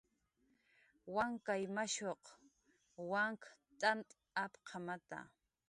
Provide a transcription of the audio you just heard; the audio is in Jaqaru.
Wankay mashuq wank t'ant apqamata